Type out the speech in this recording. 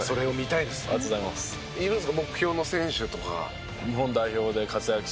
いるんですか？